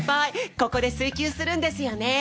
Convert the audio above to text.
ここで水球するんですよね？